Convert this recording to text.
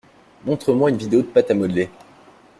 Montre moi une vidéo de pâte à modeler